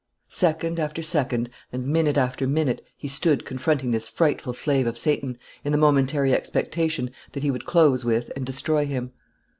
Second after second, and minute after minute, he stood confronting this frightful slave of Satan, in the momentary expectation that he would close with and destroy him.